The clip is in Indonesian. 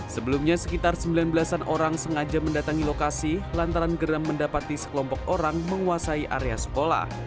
sebelumnya sekitar sembilan belas an orang sengaja mendatangi lokasi lantaran geram mendapati sekelompok orang menguasai area sekolah